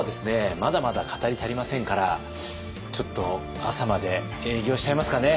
まだまだ語り足りませんからちょっと朝まで営業しちゃいますかね。